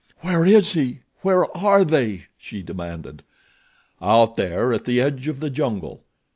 "Where is he? Where are they?" she demanded. "Out there at the edge of the jungle.